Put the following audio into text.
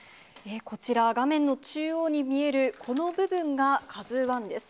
こちら、画面の中央に見えるこの部分がカズワンです。